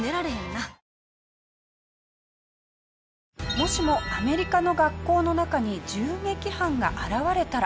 もしもアメリカの学校の中に銃撃犯が現れたら？